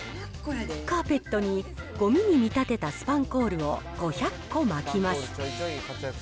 カーペットにごみに見立てたスパンコールを５００個まきます。